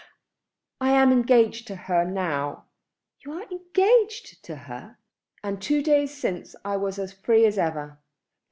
I am engaged to her now." "You are engaged to her!" "And two days since I was as free as ever."